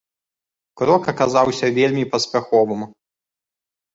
Крок аказаўся вельмі паспяховым.